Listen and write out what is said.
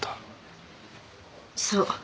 そう。